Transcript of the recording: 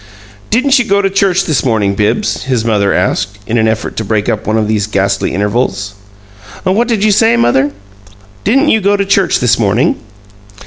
"Didn't you go to church this morning, Bibbs?" his mother asked, in the effort to break up one of those ghastly intervals. "What did you say, mother?" "Didn't you go to church this morning?"